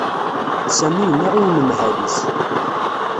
Sami yenna i unemhal-is.